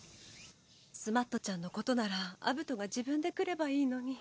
スマットちゃんのことならアブトが自分で来ればいいのに。